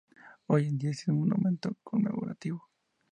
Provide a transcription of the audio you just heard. Hoy en día existe un monumento conmemorativo.